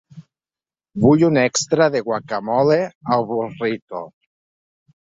Vull un extra de guacamole al burrito.